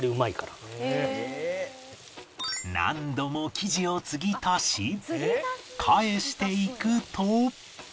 何度も生地を継ぎ足し返していくと